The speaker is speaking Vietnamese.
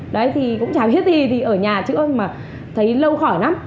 đấy thì cũng chả biết gì thì ở nhà chữa mà thấy lâu khỏi lắm